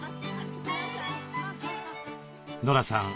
ノラさん